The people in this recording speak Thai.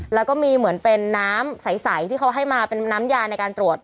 แล้วก็มีเหมือนเป็นน้ำใสที่เขาให้มาเป็นน้ำยาในการตรวจ